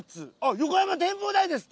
「横山展望台」ですって！